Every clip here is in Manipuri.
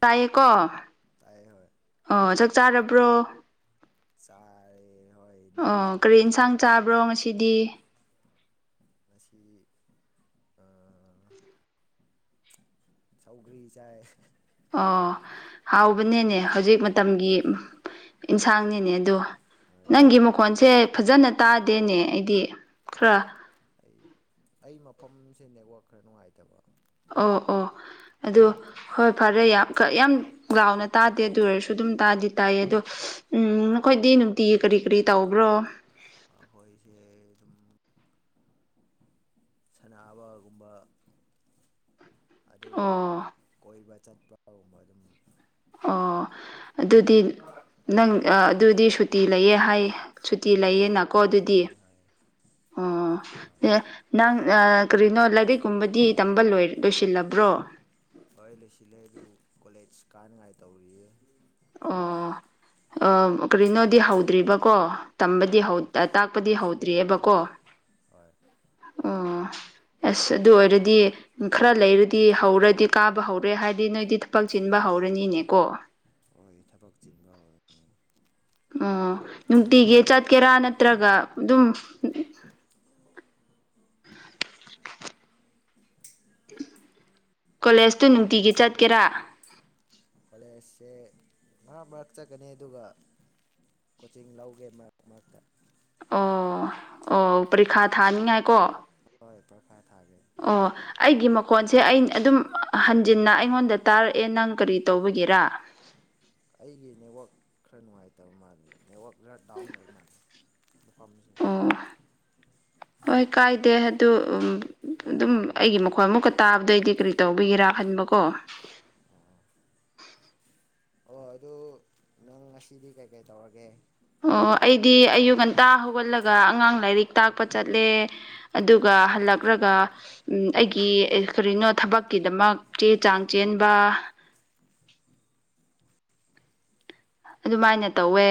ꯆꯥꯏꯌꯦꯀꯣ ꯇꯥꯏ ꯍꯣꯏ ꯑꯣ ꯆꯥꯛ ꯆꯥꯔꯕ꯭ꯔꯣ ꯆꯥꯔꯦ ꯍꯣꯏ ꯑꯣ ꯅꯪꯗꯤ ꯀꯔꯤ ꯌꯦꯟꯁꯥꯡ ꯆꯥꯕ꯭ꯔꯣ ꯉꯁꯤꯗꯤ꯫ ꯉꯁꯤ ꯑꯥ__ ꯁꯧꯒ꯭ꯔꯤ ꯆꯥꯏ ꯑꯣ ꯍꯥꯎꯕꯅꯦꯅꯦ ꯍꯧꯖꯤꯛ ꯃꯇꯝꯒꯤ ꯏꯟꯁꯥꯡꯅꯦꯅꯦ ꯑꯗꯣ ꯅꯪꯒꯤ ꯅꯣꯏ ꯃꯈꯣꯟꯁꯦ ꯐꯖꯅ ꯇꯥꯗꯦꯅꯦ ꯑꯩꯗꯤ ꯈꯔ ꯑꯩ ꯑꯩ ꯃꯐꯝꯁꯦ ꯅꯦꯠꯋꯥꯛ ꯈꯔ ꯅꯨꯡꯉꯥꯏꯇꯕ꯫ ꯑꯣ ꯑꯣ ꯑꯗꯨ ꯍꯣꯏ ꯐꯔꯦ ꯌꯥꯝ ꯌꯥꯝ ꯒꯥꯎꯅ ꯇꯥꯗꯦ ꯑꯗꯨ ꯑꯣꯏꯔꯁꯨ ꯑꯗꯨꯝ ꯇꯥꯗꯤ ꯇꯥꯏꯌꯦ ꯑꯗꯣ ꯎꯝ ꯅꯈꯣꯏꯗꯤ ꯅꯨꯡꯇꯤꯒꯤ ꯀꯔꯤ ꯀꯔꯤ ꯇꯧꯕ꯭ꯔꯣ꯫ ꯑꯩꯈꯣꯏꯁꯦ ꯑꯗꯨꯝ ꯁꯅꯥꯕꯒꯨꯝꯕ ꯑꯗꯨꯒ ꯑꯣ ꯀꯣꯏꯕ ꯆꯠꯄꯒꯨꯝꯕ ꯑꯗꯨꯝ ꯑꯣ ꯑꯗꯨꯗꯤ ꯅꯪ ꯑꯗꯨꯗꯤ ꯁꯨꯇꯤ ꯂꯩꯌꯦ ꯍꯥꯏ ꯁꯨꯇꯤ ꯍꯣꯏ ꯂꯩꯌꯦꯅꯀꯣ ꯁꯨꯇꯤ ꯑꯗꯨꯗꯤ ꯂꯩ ꯍꯣꯏ ꯑꯣ ꯍꯣꯏ ꯅꯪ ꯀꯔꯤꯅꯣ ꯂꯥꯏꯔꯤꯛ ꯀꯨꯝꯕꯗꯤ ꯇꯝꯕ ꯂꯣꯏ ꯂꯣꯏꯁꯤꯜꯂꯕ꯭ꯔꯣ꯫ ꯍꯣꯏ ꯂꯣꯏꯁꯤꯜꯂꯦ ꯑꯗꯨ ꯀꯣꯂꯦꯖ ꯀꯥꯅꯉꯥꯏ ꯇꯧꯔꯤꯌꯦ ꯑꯣ ꯀꯔꯤꯅꯣꯗꯤ ꯍꯧꯗ꯭ꯔꯤꯕꯀꯣ꯫ ꯍꯣꯏ ꯇꯝꯕꯗꯤ ꯍꯧ ꯀꯣꯂꯦꯖ ꯇꯥꯛꯄꯗꯤ ꯀꯣꯂꯦꯖꯇꯤ ꯍꯧꯗ꯭ꯔꯤ ꯍꯧꯗ꯭ꯔꯤꯑꯕꯀꯣ ꯍꯣꯏ ꯍꯣꯏ ꯑꯣ ꯑꯁ ꯑꯗꯨ ꯑꯣꯏꯔꯗꯤ꯫ ꯈꯔ ꯂꯩꯔꯗꯤ ꯍꯧꯔꯗꯤ ꯀꯥꯕ ꯍꯧꯔꯦ ꯍꯥꯏꯗꯤ ꯅꯣꯏꯗꯤ ꯊꯕꯛ ꯆꯤꯟꯕ ꯍꯧꯔꯅꯤꯅꯦꯀꯣ꯫ ꯑꯩꯈꯣꯏ ꯊꯕꯛ ꯆꯤꯟꯕ ꯍꯧꯔꯦ꯫ ꯑꯣ ꯑꯗꯨ ꯅꯨꯡꯇꯤꯒꯤ ꯅꯣꯏ ꯆꯠꯀꯦꯔꯥ ꯅꯠꯇ꯭ꯔꯒ ꯑꯗꯨꯝ [unintelligible] ꯀꯣꯂꯦꯖꯇꯨ ꯅꯨꯡꯇꯤꯒꯤ ꯆꯠꯀꯦꯔꯥ꯫ ꯀꯣꯂꯦꯖꯁꯦ ꯃꯔꯛ ꯃꯔꯛ ꯆꯠꯀꯅꯤ ꯑꯗꯨꯒ ꯀꯣꯆꯤꯡ ꯂꯧꯒꯦ ꯃꯔꯛ ꯃꯔꯛꯇ ꯑꯣ ꯑꯣ ꯄ꯭ꯔꯤꯈꯥ ꯊꯥꯅꯤꯡꯉꯥꯏꯀꯣ꯫ ꯍꯣꯏ ꯄꯔꯈꯥꯏ ꯊꯥꯒꯦ ꯑꯣ ꯑꯩꯒꯤ ꯃꯈꯣꯟꯁꯦ ꯑꯩ ꯑꯗꯨꯝ ꯍꯟꯖꯤꯟꯅ ꯑꯩꯉꯣꯟꯗ ꯇꯥꯔꯛꯑꯦ ꯅꯪ ꯀꯔꯤ ꯇꯧꯕꯒꯤꯔꯥ ꯑꯩꯒꯤ ꯅꯦꯠꯋꯥꯛ ꯈꯔ ꯅꯨꯡꯉꯥꯏꯇꯕ ꯃꯥꯜꯂꯦ ꯅꯦꯠꯋꯥꯛ ꯈꯔ ꯗꯥꯎꯟ ꯑꯣꯏꯕ ꯃꯥꯜꯂꯦ ꯃꯥꯐꯝꯁꯦ ꯑꯣ ꯍꯣꯏ ꯀꯥꯏꯗꯦ ꯑꯗꯨ ꯑꯗꯨꯝ ꯑꯥ ꯑꯩꯒꯤ ꯃꯈꯣꯏ ꯑꯃꯨꯛꯀ ꯇꯥꯕꯗꯩꯗꯤ ꯀꯔꯤ ꯇꯧꯕꯤꯒꯦꯔꯥ ꯈꯟꯕꯀꯣ ꯑꯥ ꯑꯣ ꯑꯗꯨ ꯅꯪ ꯉꯁꯤꯗꯤ ꯀꯩꯀꯩ ꯇꯧꯔꯒꯦ꯫ ꯑꯣ ꯑꯩꯗꯤ ꯑꯌꯨꯛ ꯉꯟꯇꯥ ꯍꯧꯒꯠꯂꯒ ꯑꯉꯥꯡ ꯂꯥꯏꯔꯤꯛ ꯇꯥꯛꯄ ꯆꯠꯂꯦ꯫ ꯑꯗꯨꯒ ꯍꯜꯂꯛ꯭ꯔꯒ꯫ ꯎꯝ ꯑꯩꯒꯤ ꯀꯔꯤꯅꯣ ꯊꯕꯛꯀꯤꯗꯃꯛ ꯆꯦ ꯆꯥꯡ ꯆꯦꯟꯕ꯫ ꯑꯗꯨꯃꯥꯏꯅ ꯇꯧꯋꯦ꯫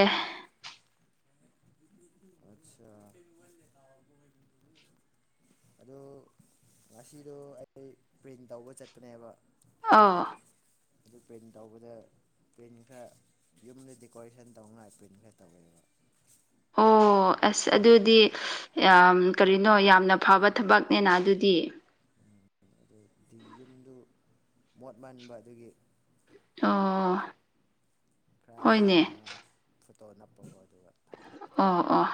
ꯑꯆꯥ [unintelligible] ꯑꯗꯨ ꯉꯁꯤꯗꯣ ꯑꯩ ꯄ꯭ꯔꯤꯟ ꯇꯧꯕ ꯆꯠꯄꯅꯦꯕ꯫ ꯑꯥ꯫ ꯑꯗꯨ ꯄ꯭ꯔꯤꯟ ꯇꯧꯕꯗ ꯄ꯭ꯔꯤꯟ ꯈꯔ ꯌꯨꯝꯗ ꯗꯦꯀꯣꯔꯦꯁꯟ ꯇꯧꯅꯉꯥꯏ ꯄ꯭ꯔꯤꯟ ꯈꯔ ꯇꯧꯋꯦꯕ꯫ ꯑꯣ ꯑꯁ ꯑꯗꯨꯗꯤ ꯀꯔꯤꯅꯣ ꯌꯥꯝꯅ ꯐꯕ ꯊꯕꯛꯅꯦꯅ ꯑꯗꯨꯗꯤ꯫ ꯑꯗꯣ ꯌꯨꯝꯗꯨ ꯃꯣꯠ ꯃꯟꯕ ꯑꯗꯨꯒꯤ꯫ ꯑꯣ ꯈꯔ ꯍꯣꯏꯅꯦ ꯅꯥꯟꯅ ꯐꯣꯇꯣ ꯅꯞꯄꯀꯣ ꯑꯗꯨꯒ ꯇꯧꯕ ꯑꯣ ꯑꯣ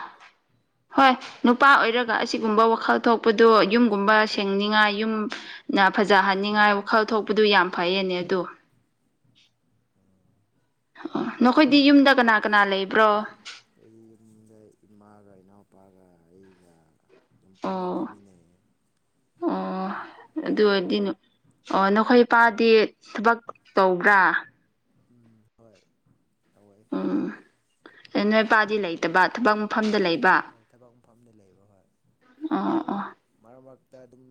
ꯍꯣꯏ ꯅꯨꯄꯥ ꯑꯣꯏꯔꯒ ꯑꯁꯤꯒꯨꯝꯕ ꯋꯥꯈꯜ ꯊꯣꯛꯄꯗꯨ ꯌꯨꯝꯒꯨꯝꯕ ꯁꯦꯡꯅꯤꯉꯥꯏ ꯌꯨꯝ ꯅ ꯐꯖꯍꯟꯅꯤꯡꯉꯥꯏ ꯋꯥꯈꯜ ꯊꯣꯛꯄꯗꯨ ꯌꯥꯝ ꯐꯩꯌꯦꯅꯦ ꯑꯗꯨ ꯑꯣ ꯅꯈꯣꯏꯗꯤ ꯌꯨꯝꯗ ꯀꯅꯥ ꯀꯅꯥ ꯂꯩꯕ꯭ꯔꯣ ꯑꯩ ꯌꯨꯝꯗꯩ ꯏꯃꯥꯒ ꯏꯅꯥꯎꯄꯥꯒ ꯑꯩꯒ ꯑꯗꯨꯝ ꯄꯨꯟꯅ ꯑꯣ ꯂꯩꯃꯤꯟꯅꯩ ꯑꯣ ꯑꯗꯨ ꯑꯣꯏꯔꯗꯤ ꯑꯣ ꯅꯈꯣꯏ ꯏꯄꯥꯗꯤ ꯊꯕꯛ ꯇꯧꯕ꯭ꯔꯥ ꯎꯝ ꯍꯣꯏ ꯇꯧꯋꯦ ꯎꯝ ꯑꯦ ꯅꯣꯏ ꯏꯄꯥꯗꯤ ꯂꯩꯇꯕ ꯊꯕꯛ ꯃꯐꯝꯗ ꯂꯩꯇꯦ ꯂꯩꯕ ꯍꯣꯏ ꯊꯕꯛ ꯃꯐꯝꯗ ꯂꯩꯕ ꯍꯣꯏ ꯑꯣ ꯑꯣ ꯃꯔꯛ ꯃꯔꯛꯇ ꯑꯗꯨꯝ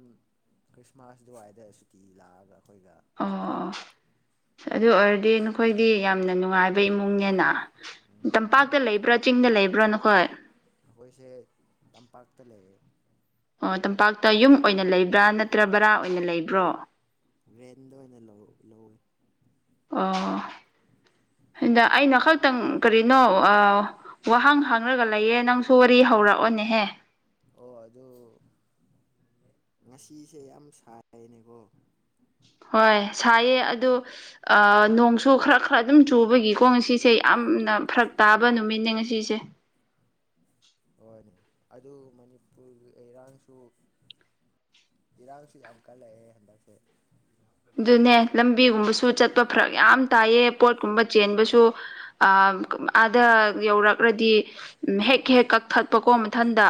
ꯈ꯭ꯔꯤꯁꯃꯥꯁ ꯑꯗꯨꯋꯥꯏꯗ ꯁꯨꯀꯤ ꯂꯥꯛꯑꯒ ꯑꯩꯈꯣꯏꯒ ꯑꯣ ꯂꯩꯃꯤꯟꯅꯕ ꯑꯗꯨ ꯑꯣꯏꯔꯗꯤ ꯅꯈꯣꯏꯗꯤ ꯌꯥꯝꯅ ꯅꯨꯡꯉꯥꯏꯕ ꯏꯃꯨꯡꯅꯦꯅ ꯎꯝ ꯇꯝꯄꯥꯛꯇ ꯂꯩꯕ꯭ꯔꯥ ꯆꯤꯡꯗ ꯂꯩꯕ꯭ꯔꯥ ꯅꯈꯣꯏ ꯑꯩꯈꯣꯏꯁꯦ ꯇꯝꯄꯥꯛꯇ ꯂꯩꯌꯦ ꯑꯣ ꯇꯝꯄꯥꯛꯇ ꯌꯨꯝ ꯑꯣꯏꯅ ꯂꯩꯕ꯭ꯔꯥ ꯅꯠꯇ꯭ꯔ ꯕꯔꯥ ꯑꯣꯏꯅ ꯂꯩꯕ꯭ꯔꯣ ꯔꯦꯟꯗ ꯑꯣꯏꯅ ꯂꯧ ꯂꯧꯋꯦ ꯑꯣ ꯍꯟꯗꯛ ꯑꯩꯅ ꯈꯛꯇꯪ ꯀꯔꯤꯅꯣ ꯑꯥ ꯋꯥꯍꯪ ꯍꯪꯔꯒ ꯂꯩꯌꯦ ꯅꯪꯁꯨ ꯋꯥꯔꯤ ꯍꯧꯔꯛꯑꯣꯅꯦꯍꯦ ꯑꯣ ꯑꯗꯨ ꯉꯁꯤꯁꯦ ꯌꯥꯝ ꯁꯥꯏꯅꯦꯀꯣ ꯍꯣꯏ ꯁꯥꯏꯌꯦ ꯑꯗꯨ ꯑꯥ ꯅꯣꯡꯁꯨ ꯈꯔ ꯈꯔ ꯑꯗꯨꯝ ꯆꯨꯕꯒꯤꯀꯣ ꯉꯁꯤꯁꯦ ꯌꯥꯝꯅ ꯐꯔꯛ ꯇꯥꯕ ꯅꯨꯃꯤꯠꯅꯦ ꯉꯁꯤꯁꯦ ꯍꯣꯏꯅꯦ ꯑꯗꯨ ꯃꯅꯤꯄꯨꯔꯒꯤ ꯏꯔꯥꯡꯁꯨ ꯏꯔꯥꯡꯁꯨ ꯌꯥꯝ ꯀꯜꯂꯛꯑꯦ ꯍꯟꯗꯛꯁꯦ ꯑꯗꯨꯅꯦ ꯂꯝꯕꯤꯒꯨꯝꯕꯁꯨ ꯆꯠꯄ ꯐꯔꯛ ꯌꯥꯝ ꯇꯥꯏꯌꯦ ꯄꯣꯠꯀꯨꯝꯕ ꯆꯦꯟꯕꯁꯨ ꯑꯥ ꯑꯥꯗ ꯌꯧꯔꯛꯔꯗꯤ ꯎꯝ ꯍꯦꯛ ꯍꯦꯛ ꯀꯛꯊꯠꯄꯀꯣ ꯃꯊꯟꯗ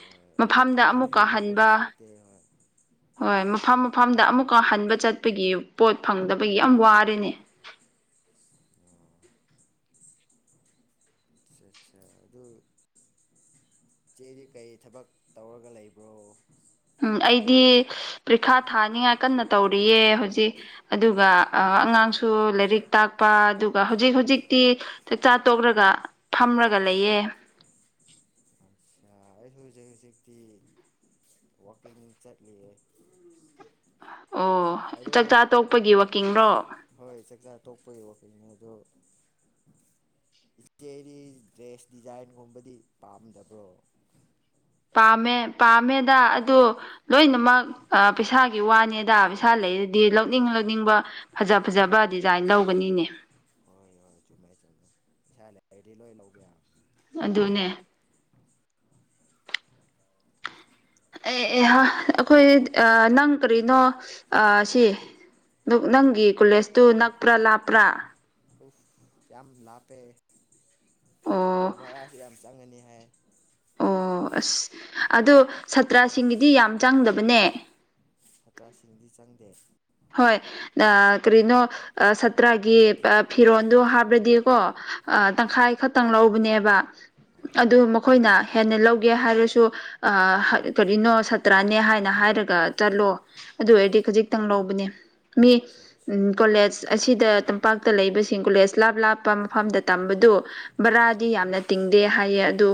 ꯍꯣꯏ ꯑꯗꯨ ꯃꯐꯝꯗ ꯑꯃꯨꯛꯀ ꯗꯤꯂꯤꯚ꯭ꯔꯤꯒꯨꯝꯕꯁꯨ ꯍꯟꯕ ꯂꯥꯛꯇꯦ ꯍꯣꯏ ꯍꯣꯏ ꯃꯐꯝ ꯃꯐꯝꯗ ꯑꯃꯨꯛꯀ ꯍꯟꯕ ꯆꯠꯄꯒꯤ ꯄꯣꯠ ꯐꯪꯗꯕꯒꯤ ꯌꯥꯝ ꯋꯥꯔꯦꯅꯦ ꯑꯠꯆꯥ ꯑꯠꯆꯥ ꯑꯗꯨ ꯏꯆꯦꯗꯤ ꯀꯔꯤ ꯊꯕꯛ ꯇꯧꯔꯒ ꯂꯩꯕ꯭ꯔꯣ ꯎꯝ ꯑꯩꯗꯤ ꯄ꯭ꯔꯤꯈꯥ ꯊꯥꯅꯤꯡꯉꯥꯏ ꯀꯟꯅ ꯇꯧꯔꯤꯌꯦ ꯍꯧꯖꯤꯛ ꯑꯗꯨꯒ ꯑ ꯑꯉꯥꯡꯁꯨ ꯂꯥꯏꯔꯤꯛ ꯇꯥꯛꯄ ꯑꯗꯨꯒ ꯍꯧꯖꯤꯛ ꯍꯧꯖꯤꯛꯇꯤ ꯆꯥꯛꯆꯥ ꯇꯣꯛꯔꯒ ꯐꯝꯔꯒ ꯂꯩꯌꯦ ꯑꯠꯆꯥ ꯑꯩꯁꯨ ꯍꯧꯖꯤꯛ ꯍꯧꯖꯤꯛꯇꯤ ꯋꯥꯛꯀꯤꯡ ꯆꯠꯂꯤꯌꯦ ꯑꯣ ꯑꯗꯣ ꯆꯥꯛꯆꯥ ꯇꯣꯛꯄꯒꯤ ꯋꯥꯛꯀꯤꯡꯔꯣ ꯍꯣꯏ ꯆꯥꯛꯆꯥ ꯇꯣꯛꯄꯒꯤ ꯋꯥꯛꯀꯤꯡꯅꯦ ꯑꯗꯣ ꯏꯆꯦꯒꯤ ꯗ꯭ꯔꯦꯁ ꯗꯤꯖꯥꯏꯟꯒꯨꯝꯕꯗꯤ ꯄꯥꯝꯗꯕ꯭ꯔꯣ ꯄꯥꯝꯃꯦ ꯄꯥꯝꯃꯦꯗ ꯑꯗꯨ ꯂꯣꯏꯅꯃꯛ ꯑꯥ ꯄꯩꯁꯥꯒꯤ ꯋꯥꯅꯦꯗ ꯄꯩꯁꯥ ꯂꯩꯔꯗꯤ ꯂꯧꯅꯤꯡ ꯂꯧꯅꯤꯡꯕ ꯐꯖ ꯐꯖꯕ ꯗꯤꯖꯥꯏꯟ ꯂꯧꯒꯅꯤꯅꯦ ꯍꯣꯏ ꯍꯣꯏ ꯆꯨꯝꯃꯦ ꯆꯨꯝꯃꯦ ꯄꯩꯁꯥ ꯂꯩꯔꯗꯤ ꯂꯣꯏ ꯂꯧꯕ ꯌꯥ ꯑꯗꯨꯅꯦ ꯑꯦ ꯍꯥ ꯑꯩꯈꯣꯏ ꯅꯪ ꯀꯔꯤꯅꯣ ꯑꯥ ꯁꯤ ꯅꯪꯒꯤ ꯀꯣꯂꯦꯖꯇꯨ ꯅꯛꯄ꯭ꯔꯥ ꯂꯥꯞꯄ꯭ꯔꯥ ꯎꯞ ꯌꯥꯝ ꯂꯥꯞꯄꯦ ꯑꯣꯛꯇꯣ ꯑꯣ ꯚꯔꯥꯁꯨ ꯌꯥꯝ ꯆꯪꯉꯅꯤ ꯍꯥꯏ ꯑꯣ ꯑꯁ ꯑꯗꯣ ꯁꯥꯇ꯭ꯔꯁꯤꯡꯒꯤꯗꯤ ꯌꯥꯝ ꯆꯪꯗꯕꯅꯦ ꯁꯥꯇ꯭ꯔꯁꯤꯡꯗꯤ ꯆꯪꯗꯦ ꯍꯣꯏ ꯑ ꯀ꯭ꯔꯤꯅꯣ ꯁꯥꯇ꯭ꯔꯒꯤ ꯐꯤꯔꯣꯟꯜꯗꯣ ꯍꯥꯞ꯭ꯔꯗꯤꯀꯣ ꯍꯣꯏ ꯇꯪꯈꯥꯏ ꯈꯛꯇꯪ ꯂꯧꯕꯅꯦꯕ ꯑꯣ ꯑꯗꯨ ꯃꯈꯣꯏꯅ ꯍꯦꯟꯅ ꯂꯧꯒꯦ ꯍꯥꯏꯔꯁꯨ ꯑ ꯀꯔꯤꯅꯣ ꯁꯥꯇ꯭ꯔꯅꯦ ꯍꯥꯏꯅ ꯍꯥꯏꯔꯒ ꯆꯠꯂꯣ ꯑꯗꯨ ꯑꯣꯏꯔꯗꯤ ꯈꯖꯤꯛꯇꯪ ꯂꯧꯕ ꯕꯅꯦ ꯃꯤ ꯑꯠꯆꯥ ꯎꯟ ꯑꯠꯆꯥ ꯀꯣꯂꯦꯖ ꯑꯁꯤꯗ ꯇꯝꯄꯥꯛꯇ ꯂꯩꯕꯁꯤꯡ ꯀꯣꯂꯦꯖ ꯂꯥꯞ ꯂꯥꯞꯄ ꯃꯐꯝꯗ ꯇꯝꯕꯗꯨ ꯕꯔꯥꯗꯤ ꯍꯣꯏ ꯌꯥꯝꯅ ꯇꯤꯡꯗꯦ ꯍꯥꯏꯌꯦ ꯑꯗꯨ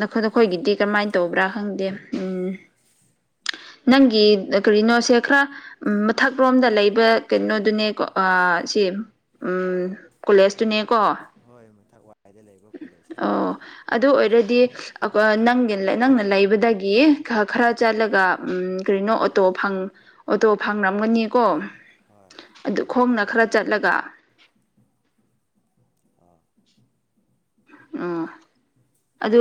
ꯅꯈꯣꯏ ꯅꯈꯣꯏꯒꯤꯗꯤ ꯀꯔꯝꯃꯥꯏꯅ ꯇꯧꯕ꯭ꯔꯥ ꯈꯪꯗꯦ ꯎꯝ ꯅꯪꯒꯤ ꯎꯝ ꯀꯔꯤꯅꯣꯁꯦ ꯈ꯭ꯔ ꯎꯝ ꯃꯊꯛꯔꯣꯝꯗ ꯂꯩꯕ ꯀꯩꯅꯣꯗꯨꯅꯦꯀꯣ ꯑ ꯁꯤ ꯎꯝ ꯀꯣꯂꯦꯖꯇꯨꯅꯦꯀꯣ ꯑꯩ ꯃꯊꯛ ꯋꯥꯏꯗ ꯂꯩ ꯑꯣ ꯑꯗꯨ ꯑꯣꯏꯔꯗꯤ ꯑ ꯑ ꯅꯪꯒꯤ ꯅ ꯅꯪꯅ ꯂꯩꯕꯗꯒꯤ ꯈꯔ ꯈꯔ ꯍꯣꯏ ꯆꯠꯂꯒ ꯎꯝ ꯀꯔꯤꯅꯣ ꯑꯣꯇꯣ ꯐꯪ ꯑꯣꯇꯣ ꯐꯪꯔꯝꯒꯅꯤꯀꯣ ꯍꯣꯏ ꯑꯗꯨ ꯄꯣꯛꯊꯣꯛ ꯈꯣꯡꯅ ꯐꯪꯉꯦ ꯈꯔ ꯍꯣꯏ ꯆꯠꯂꯒ ꯑꯥ ꯎꯝ ꯑꯗꯨ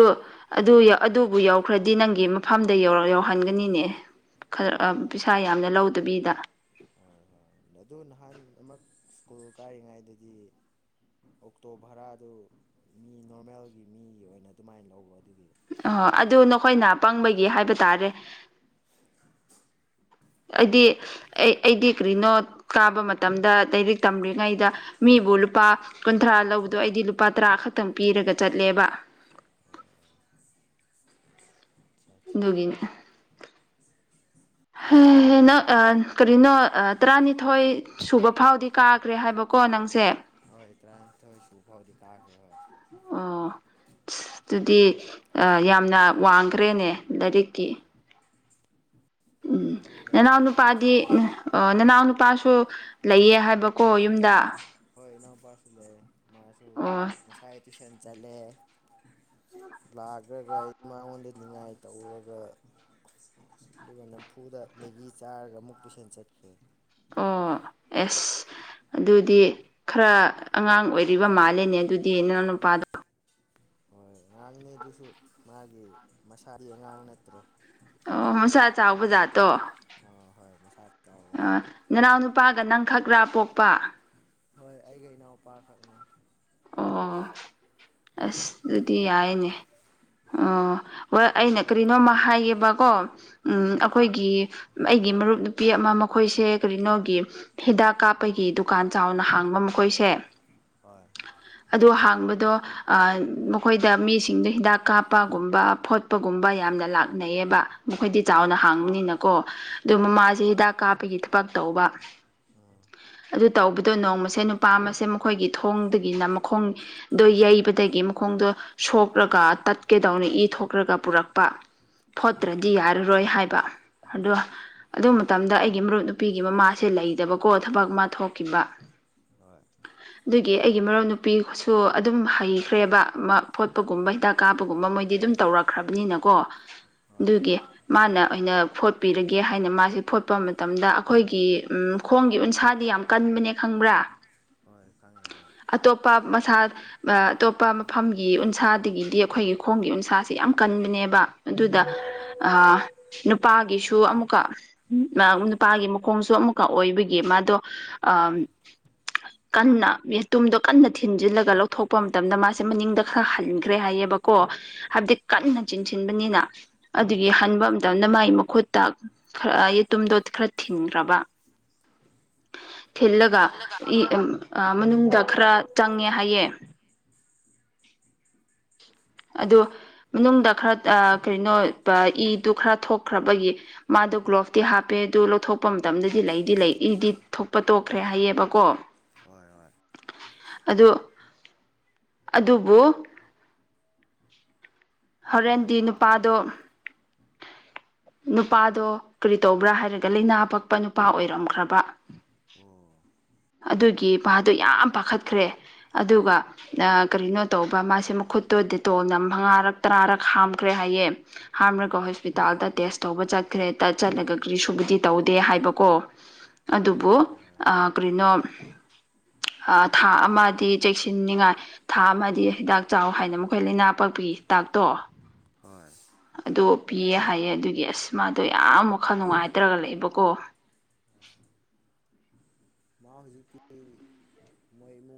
ꯑꯗꯨ ꯌ ꯑꯗꯨꯕꯨ ꯌꯎꯈ꯭ꯔꯗꯤ ꯅꯪꯒꯤ ꯃꯐꯝꯗ ꯌꯧ-ꯌꯧꯍꯟꯒꯅꯤꯅꯦ ꯈꯔ ꯑ ꯑꯣ ꯄꯩꯁꯥ ꯌꯥꯝꯅ ꯂꯧꯗꯕꯤꯗ ꯍꯣꯏ ꯍꯣꯏ ꯑꯗꯨ ꯅꯍꯥꯟ ꯑꯃꯨꯛ ꯁ꯭ꯀꯨꯜ ꯀꯥꯔꯤꯉꯩꯗꯗꯤ ꯑꯣꯛꯇꯣ ꯚꯔꯥꯗꯨ ꯃꯤ ꯅꯣꯔꯃꯦꯜꯒꯤ ꯃꯤꯒꯤ ꯑꯣꯏꯅ ꯑꯗꯨꯃꯥꯏꯅ ꯂꯧꯕ ꯑꯗꯨꯒꯤ ꯑꯣ ꯑꯗꯨ ꯅꯈꯣꯏꯅ ꯄꯪꯕꯒꯤ ꯍꯥꯏꯕ ꯇꯥꯔꯦ ꯑꯩꯗꯤ ꯑꯩ ꯑꯩꯗꯤ ꯀꯔꯤꯅꯣ ꯀꯥꯕ ꯃꯇꯝꯗ ꯂꯥꯏꯔꯤꯛ ꯇꯝꯔꯤꯉꯩꯗ ꯃꯤꯕꯨ ꯂꯨꯄꯥ ꯀꯨꯟꯊ꯭ꯔꯥ ꯂꯧꯕꯗꯣ ꯑꯩꯗꯤ ꯂꯨꯄꯥ ꯇꯔꯥ ꯈꯛꯇꯪ ꯄꯤꯔꯒ ꯆꯠꯂꯦꯕ ꯑꯆꯥ ꯍ ꯅꯪ ꯑ ꯀꯔꯤꯅꯣ ꯑ ꯇꯔꯥꯅꯤꯊꯣꯏ ꯁꯨꯕ ꯐꯥꯎꯗꯤ ꯀꯥꯈ꯭ꯔꯦ ꯍꯥꯏꯕꯀꯣ ꯅꯪꯁꯦ ꯍꯣꯏ ꯇ꯭ꯔꯥꯅꯤꯊꯣꯏ ꯁꯨ ꯐꯥꯎꯗꯤ ꯀꯥꯈꯔ꯭ꯦꯕ ꯑꯣ ꯑꯁ ꯑꯗꯨꯗꯤ ꯌꯥꯝꯅ ꯋꯥꯡꯈ꯭ꯔꯦꯅꯦ ꯂꯥꯏꯔꯤꯛꯀꯤ ꯎꯝ ꯍꯣꯏ ꯂꯥꯏꯔꯤꯛ ꯅꯅꯥꯎ ꯈꯔ ꯅꯨꯄꯥꯗꯤ ꯋꯥꯡꯉꯦ ꯑ ꯑ ꯅꯅꯥꯎ ꯅꯨꯄꯥꯁꯨ ꯂꯩꯌꯦ ꯍꯥꯏꯕꯀꯣ ꯌꯨꯝꯗ ꯍꯣꯏ ꯏꯅꯥꯎꯄꯥꯁꯨ ꯂꯩ ꯃꯥꯁꯨ ꯑꯣ ꯉꯁꯥꯏ ꯇꯨꯏꯁꯟ ꯆꯠꯂꯦ ꯂꯥꯛꯈ꯭ꯔꯒ ꯑꯩ ꯃꯉꯣꯟꯗ ꯅꯤꯡꯉꯥꯏ ꯇꯧꯔꯒ ꯑꯗꯨꯒ ꯅꯝꯐꯨꯗ ꯃꯦꯒꯤ ꯆꯥꯔꯒ ꯑꯃꯨꯛ ꯇꯨꯏꯁꯟ ꯆꯠꯈ꯭ꯔꯦ ꯑꯣ ꯑꯦꯁ ꯑꯗꯨꯗꯤ ꯈꯔ ꯑꯉꯥꯡ ꯑꯣꯏꯔꯤꯕ ꯃꯥꯜꯂꯦꯅꯦ ꯑꯗꯨꯗꯤ ꯅꯅꯎ ꯅꯨꯄꯥꯗꯣ ꯑꯉꯥꯡꯅꯦ ꯑꯗꯨꯁꯨ ꯃꯥꯒꯤ ꯃꯁꯥꯗꯤ ꯑꯉꯥꯡ ꯅꯠꯇ꯭ꯔꯦ ꯑꯣ ꯃꯁꯥ ꯆꯥꯎꯕ ꯖꯥꯠꯇꯣ ꯑꯥ ꯍꯣꯏ ꯃꯁꯥ ꯆꯥꯎꯕ ꯅꯅꯥꯎ ꯅꯨꯄꯥꯒ ꯅꯪ ꯈꯛꯔꯥ ꯄꯣꯛꯄ ꯍꯣꯏ ꯑꯩꯒ ꯏꯅꯥꯎꯄꯥꯈꯛꯅꯦ ꯑꯣ ꯑꯁ ꯑꯗꯨꯗꯤ ꯌꯥꯏꯅꯦ ꯑꯣ ꯍꯣꯏ ꯑꯩꯅ ꯀꯔꯤꯅꯣꯃ ꯍꯥꯏꯌꯦꯕꯀꯣ ꯍꯣꯏ ꯎꯝ ꯑ ꯑꯩꯈꯣꯏꯒꯤ ꯑꯩꯒꯤ ꯃꯔꯨꯞ ꯅꯨꯄꯤ ꯑꯃ ꯃꯈꯣꯏꯁꯦ ꯀꯔꯤꯅꯣꯒꯤ ꯍꯤꯗꯥꯛ ꯀꯥꯞꯄꯒꯤ ꯗꯨꯀꯥꯟ ꯆꯥꯎꯅ ꯍꯥꯡꯕ ꯃꯈꯣꯏꯁꯦ ꯍꯣꯏ ꯑꯗꯨ ꯍꯥꯡꯕꯗꯣ ꯑ ꯃꯈꯣꯏꯗ ꯃꯤꯁꯤꯡꯗꯣ ꯍꯤꯗꯥꯛ ꯀꯥꯞꯄꯒꯨꯝꯕ ꯐꯣꯠꯄꯒꯨꯝꯕ ꯌꯥꯝꯅ ꯂꯥꯛꯅꯩꯌꯦꯕ ꯃꯈꯣꯏꯗꯤ ꯆꯥꯎꯅ ꯍꯣꯏ ꯍꯥꯡꯕꯅꯤꯅꯀꯣ ꯑꯗꯨ ꯍꯣꯏ ꯃꯃꯥꯁꯦ ꯍꯤꯗꯥꯛ ꯀꯥꯞꯄꯒꯤ ꯊꯕꯛ ꯇꯧꯕ ꯎꯝ ꯑꯗꯨ ꯇꯧꯕꯗꯣ ꯅꯣꯡꯃꯁꯦ ꯅꯨꯄꯥ ꯑꯃꯁꯦ ꯃꯈꯣꯏꯒꯤ ꯊꯣꯡꯗꯒꯤꯅ ꯃꯈꯣꯡ ꯗꯣ ꯌꯩꯕꯗꯒꯤ ꯃꯈꯣꯡꯗꯣ ꯁꯣꯛꯔꯒ ꯇꯠꯀꯦꯗꯧꯅ ꯏ ꯊꯣꯛꯈ꯭ꯔꯒ ꯄꯨꯔꯛꯄ ꯍꯣꯏ ꯐꯣꯠꯇ꯭ꯔꯗꯤ ꯌꯥꯔꯔꯣꯏ ꯍꯥꯏꯕ ꯑꯗꯨ ꯑꯗꯨ ꯃꯇꯝꯗ ꯑꯩꯒꯤ ꯃꯔꯨꯞ ꯅꯨꯄꯤꯒꯤ ꯃꯃꯥꯁꯦ ꯂꯩꯗꯕꯀꯣ ꯊꯕꯛ ꯃꯥ ꯊꯣꯛꯈꯤꯕ ꯍꯣꯏ [unintelligible] [inaudible] ꯑꯗꯨꯒꯤ ꯑꯩꯒꯤ ꯃꯔꯨꯞ ꯅꯨꯄꯤꯁꯨ ꯑꯗꯨꯝ ꯍꯩꯈ꯭ꯔꯦꯕ ꯃ ꯐꯣꯠꯄꯒꯨꯝꯕ ꯍꯤꯗꯥꯛ ꯀꯥꯞꯕꯒꯨꯝꯕ ꯃꯣꯏꯗꯤ ꯑꯗꯨꯝ ꯇꯧꯔꯛ ꯈ꯭ꯔꯕꯅꯤꯅꯀꯣ ꯍꯣꯏ ꯑꯗꯨꯒꯤ ꯃꯥꯅ ꯑ ꯑꯣꯏꯅ ꯐꯣꯠꯄꯤꯔꯒꯦ ꯍꯥꯏꯅ ꯃꯥꯁꯦ ꯐꯣꯠꯄ ꯃꯇꯝꯗ ꯑꯩꯈꯣꯏꯒꯤ ꯎ ꯈꯣꯡꯒꯤ ꯎꯟꯁꯥꯗꯤ ꯌꯥꯝ ꯀꯟꯕꯅꯦ ꯈꯪꯕ꯭ꯔꯥ ꯍꯣꯏ ꯈꯪꯉꯦ ꯈꯪꯉꯦ ꯑꯇꯣꯞꯄ ꯃꯁꯥ ꯑꯇꯣꯞꯄ ꯃꯐꯝꯒꯤ ꯎꯟꯁꯥꯗꯒꯤꯗꯤ ꯑꯩꯈꯣꯏꯒꯤ ꯈꯣꯡꯒꯤ ꯎꯟꯁꯥꯁꯦ ꯌꯥꯝ ꯀꯟꯕꯅꯦꯕ ꯑꯗꯨꯗ ꯑꯣ ꯑ ꯅꯨꯄꯥꯒꯤꯁꯨ ꯑꯃꯨꯛꯀ ꯅꯨꯄꯥꯒꯤ ꯃꯈꯣꯡꯁꯨ ꯑꯃꯨꯛꯀ ꯑꯣꯏꯕꯒꯤ ꯃꯥꯗꯣ ꯀꯟꯅ ꯇꯨꯝꯗꯣ ꯀꯟꯅ ꯊꯤꯟꯖꯤꯜꯂꯒ ꯂꯧꯊꯣꯛꯄ ꯃꯇꯝꯗ ꯃꯥꯁꯦ ꯃꯅꯤꯡꯗ ꯈꯔ ꯍꯟꯈ꯭ꯔꯦ ꯍꯥꯏꯌꯦꯕꯀꯣ ꯍꯥꯏꯕꯗꯤ ꯍꯣꯏ ꯀꯟꯅ ꯆꯤꯡꯁꯤꯟꯕꯅꯤꯅ ꯑꯗꯨꯒꯤ ꯑꯣ ꯍꯟꯕ ꯃꯇꯝꯗ ꯃꯥꯒꯤ ꯃꯈꯨꯠꯇ ꯈꯔ ꯌꯦꯇꯨꯝꯗꯣ ꯈꯔ ꯊꯤꯟꯈ꯭ꯔꯕ ꯊꯤꯜꯂꯒ ꯏꯜꯂꯒ ꯃꯅꯨꯡꯗ ꯈꯔ ꯆꯪꯉꯦ ꯍꯥꯏꯌꯦꯦ ꯑꯣ ꯃꯅꯨꯡꯗ ꯈꯔ ꯀꯩꯅꯣ ꯏꯗꯨ ꯈꯔ ꯊꯣꯛꯈ꯭ꯔꯕꯒꯤ ꯃꯥꯗꯣ ꯒ꯭ꯂꯣꯞꯇꯤ ꯍꯥꯞꯄꯦ ꯑꯗꯨ ꯂꯧꯊꯣꯛꯄ ꯃꯇꯝꯗꯗꯤ ꯂꯩꯗꯤ ꯂꯩ ꯏꯗꯤ ꯊꯣꯛꯄ ꯇꯣꯛꯈ꯭ꯔꯦ ꯍꯥꯏꯑꯕꯀꯣ ꯍꯣꯏ ꯍꯣꯏ ꯑꯗꯨ ꯑꯗꯨꯕꯨ ꯑꯥ ꯍꯣꯔꯦꯟꯗꯤ ꯇꯥꯏꯌꯦ ꯅꯨꯄꯥꯗꯣ ꯅꯨꯄꯥꯗꯣ ꯀꯔꯤ ꯇꯧꯕ꯭ꯔꯥ ꯍꯥꯏꯔꯒ ꯂꯥꯏꯅꯥ ꯄꯛꯄ ꯅꯨꯄꯥ ꯑꯣꯏꯔꯝꯈ꯭ꯔꯕ ꯑꯣ ꯑꯗꯨꯒꯤ ꯄꯥꯗꯨꯣ ꯌꯥꯝ ꯄꯥꯈꯠꯈ꯭ꯔꯦ ꯑꯗꯨꯒ ꯀꯔꯤꯅꯣ ꯇꯧꯕ ꯃꯥꯁꯦ ꯃꯈꯨꯠꯇꯣ ꯗꯦꯇꯣꯜꯅ ꯃꯉꯥꯔꯛ ꯇꯔꯥꯔꯛ ꯍꯥꯝꯈ꯭ꯔꯦ ꯍꯥꯏꯌꯦ ꯍꯥꯝꯂꯒ ꯑꯣ ꯍꯣꯁꯄꯤꯇꯥꯜꯗ ꯇꯦꯁ ꯇꯧꯕ ꯆꯠꯈ꯭ꯔꯦ ꯆꯠꯂꯒ ꯀꯔꯤꯁꯨꯕꯨꯗꯤ ꯇꯧꯗꯦ ꯍꯥꯏꯕꯀꯣ ꯑꯣ ꯑꯗꯨꯕꯨ ꯍꯣꯏ ꯑ ꯍꯣꯏ ꯀꯔꯤꯅꯣ ꯊꯥ ꯑꯃꯗꯤ ꯆꯦꯛꯁꯤꯟꯅꯤꯉꯥꯏ ꯊꯥ ꯑꯃꯗꯤ ꯍꯤꯗꯥꯛ ꯆꯥꯎ ꯍꯥꯏꯅ ꯃꯈꯣꯏ ꯂꯥꯏꯅꯥ ꯄꯛꯄꯤ ꯇꯥꯛꯇꯣ ꯍꯣꯏ [inaudible] [unintelligible] ꯑꯗꯣ ꯄꯤꯌꯦ ꯍꯥꯏꯌꯦ ꯑꯗꯨꯒꯤ ꯑꯁ ꯃꯥꯗꯣ ꯌꯥꯝ ꯋꯥꯈꯜ ꯅꯨꯡꯉꯥꯏꯇꯔꯒ ꯂꯩꯕꯀꯣ ꯃꯥ ꯍꯧꯖꯤꯛꯇꯤ ꯃꯣꯏ ꯃ [inaudible]